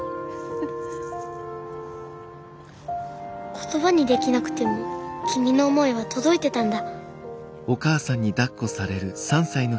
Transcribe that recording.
言葉にできなくても君の思いは届いてたんだ。